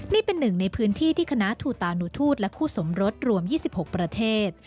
นี่เป็นหนึ่งในพื้นที่ที่คณะทูตานุทูตและคู่สมรสรวม๒๖ประเทศ